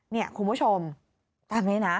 นี่คุณผู้ชมตามนี้นะ